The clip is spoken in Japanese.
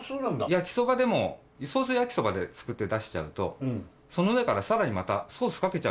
焼きそばでもソース焼きそばで作って出しちゃうとその上からさらにまたソースかけちゃうんです。